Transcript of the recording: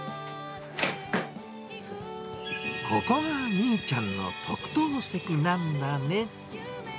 ここがミーちゃんの特等席なんだね。